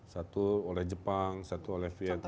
satu oleh jepang satu oleh vietnam